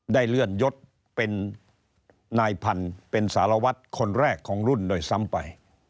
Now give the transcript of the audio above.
ได้เลื่อนยศเป็นนายพันธุ์เป็นสารวัตรคนแรกของรุ่นโดยซ้ำไป